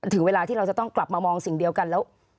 ถึงเวลาที่เราจะต้องกลับมามองสิ่งเดียวกันแล้ว